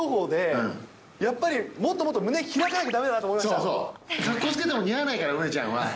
かっこつけても似合わないから、梅ちゃんは。